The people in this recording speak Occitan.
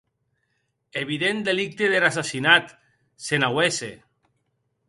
Evident delicte der assassinat, se n’auesse.